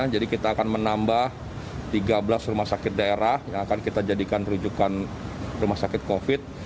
jadi kita akan menambah tiga belas rumah sakit daerah yang akan kita jadikan rujukan rumah sakit covid sembilan belas